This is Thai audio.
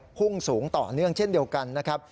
ของฝุ่นละอองพุ่งสูงต่อเนื่องเช่นเดียวกันนะครับ